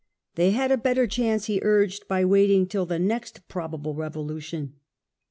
They had a better chance, he urged, by waiting till the "next probable Revolution".